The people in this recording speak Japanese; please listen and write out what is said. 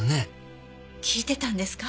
聞いてたんですか？